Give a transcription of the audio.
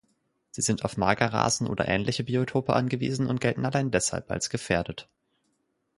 Sie sind auf Magerrasen oder ähnliche Biotope angewiesen und gelten allein deshalb als gefährdet.